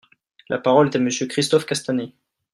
La parole est à Monsieur Christophe Castaner.